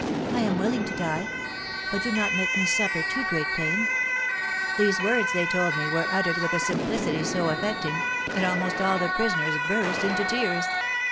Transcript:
I am willing to die. But do not make me suffer too great pain!' These words, they told me, were uttered with a simplicity so affecting, that almost all the prisoners burst into tears."